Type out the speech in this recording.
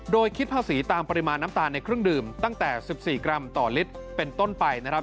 โดยคิดภาษีตามปริมาณน้ำตาลในเครื่องดื่มตั้งแต่๑๔กรัมต่อลิตรเป็นต้นไปนะครับ